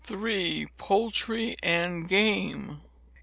Poultry and Game.